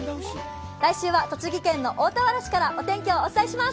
来週は栃木県の大田原市からお天気をお伝えします。